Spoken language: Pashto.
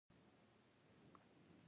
چې ورته د کمر سر وايي ـ